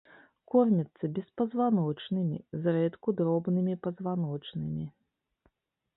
Кормяцца беспазваночнымі, зрэдку дробнымі пазваночнымі.